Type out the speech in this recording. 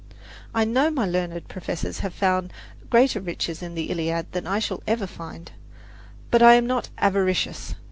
I know my learned professors have found greater riches in the Iliad than I shall ever find; but I am not avaricious.